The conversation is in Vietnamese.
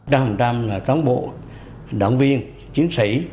đa hồng trăm cán bộ đoạn viên chiến sĩ